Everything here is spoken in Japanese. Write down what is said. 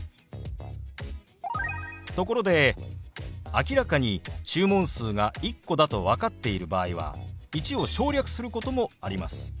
ところで明らかに注文数が１個だと分かっている場合は「１」を省略することもあります。